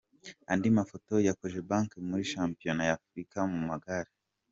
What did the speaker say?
Andi mafoto ya Cogebanque muri Shampiona y’Afurika mu magare.